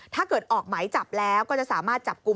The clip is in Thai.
ถ้าเกิดออกหมายจับแล้วก็จะสามารถจับกลุ่ม